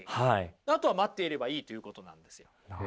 あとは待っていればいいということなんですよ。